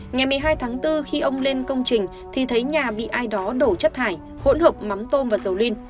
ngày một mươi hai tháng bốn khi ông lên công trình thì thấy nhà bị ai đó đổ chất thải hỗn hợp mắm tôm và dầu linh